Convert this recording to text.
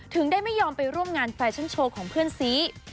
ถึงได้ไม่ยอมไปร่วมงานแฟชั่นโชว์ของเพื่อนซี